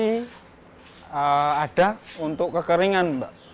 kekuatan kayu jati lama sudah tidak ada untuk kekeringan